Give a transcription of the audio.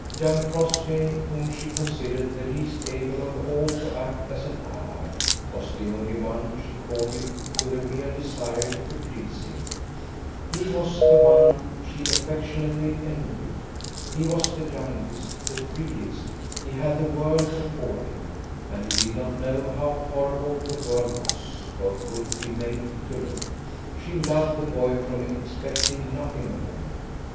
Young Crossjay, whom she considered the least able of all to act as an ally, was the only one she courted with a real desire to please him, he was the one she affectionately envied; he was the youngest, the freest, he had the world before him, and he did not know how horrible the world was, or could be made to look. She loved the boy from expecting nothing of him.